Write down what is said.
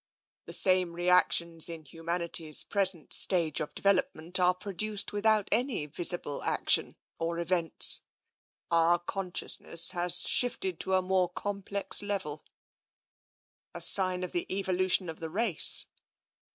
The same reactions in humanity's present stage of de velopment are produced without any visible action or events. Our consciousness has shifted to a more com plex level." A sign of the evolution of the race?